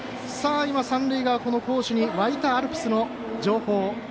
今、三塁側攻守に沸いたアルプスの情報。